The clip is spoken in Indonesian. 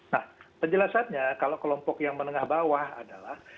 nah penjelasannya kalau kelompok yang menengah bawah adalah